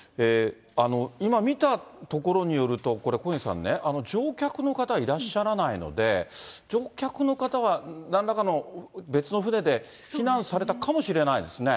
今見たところによると、これ、小西さんね、乗客の方はいらっしゃらないので、乗客の方は、なんらかの別の船で避難されたかもしれないですね。